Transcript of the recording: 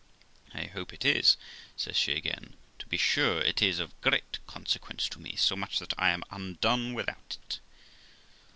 ' I hope it is ', says she again ;' to be sure it is of great consequence to me, so much that I am undone without it.'